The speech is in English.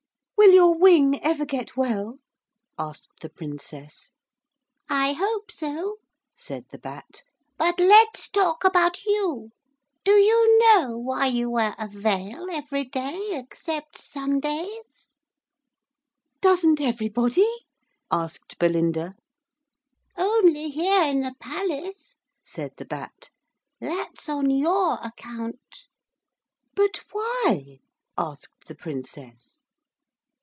'Will your wing ever get well?' asked the Princess. 'I hope so,' said the Bat. 'But let's talk about you. Do you know why you wear a veil every day except Sundays?' 'Doesn't everybody?' asked Belinda. 'Only here in the palace,' said the Bat, 'that's on your account.' 'But why?' asked the Princess.